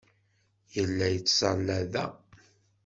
Yella yettẓalla da.